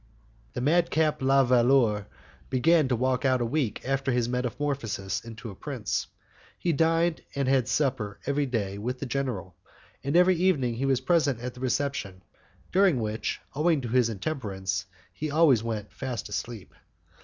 The madcap La Valeur began to walk out a week after his metamorphosis into a prince. He dined and had supper every day with the general, and every evening he was present at the reception, during which, owing to his intemperance, he always went fast asleep.